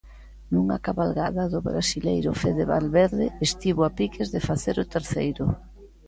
Nunha cabalgada do brasileiro Fede Valverde estivo a piques de facer o terceiro.